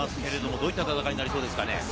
どういった戦いになりそうですか？